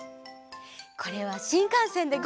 これは「新幹線でゴー！